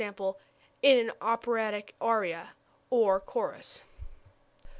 _, in an operatic aria or chorus.